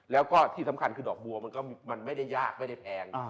แล้วก็ที่สำคัญคือดอกบัวมันก็มันไม่ได้ยากไม่ได้แพง